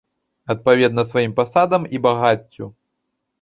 Адпаведна сваім пасадам і багаццю.